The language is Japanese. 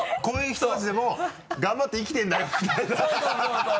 こういう人たちでも頑張って生きてるんだよみたいな